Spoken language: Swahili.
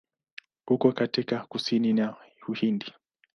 Uko katika kusini ya Uhindi.